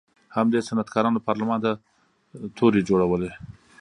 همدې صنعتکارانو پارلمان ته تورې جوړولې.